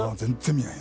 見ない？